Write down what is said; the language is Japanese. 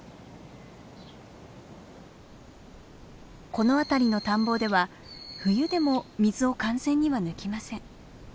この辺りの田んぼでは冬でも水を完全には抜きません。